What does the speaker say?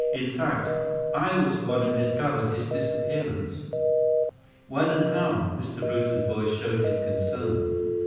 In fact, I was the one who discovered his disappearance." "When and how?" Mr. Brewster's voice showed his concern.